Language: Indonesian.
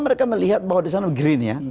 mereka melihat bahwa di sana green ya